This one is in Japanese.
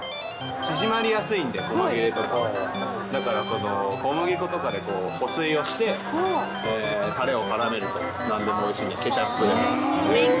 縮まりやすいんで、こま切れとかは、だから小麦粉とかで保水をして、たれをからめると、なんでもおいしいんで、ケチャップでも。